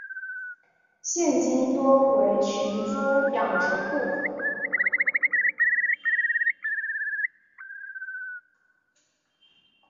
现今多为群猪养殖户。